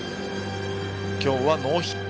今日はノーヒット。